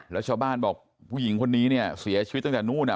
แล้วชาวบ้านบอกผู้หญิงคนนี้เนี่ยเสียชีวิตตั้งแต่นู้น